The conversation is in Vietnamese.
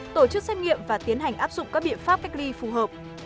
tổ chức xét nghiệm và tiến hành áp dụng các biện pháp cách ly phù hợp